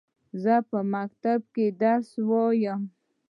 زه په مکتب کښي درس وايم.